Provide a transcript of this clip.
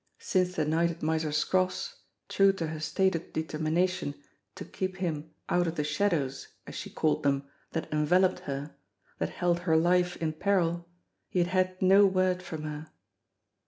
Since the night at Miser ScrofFs, true to her stated determin ation to keep him out of the shadows, as she called them, that enveloped her, that held her life in peril, he had had no word from her.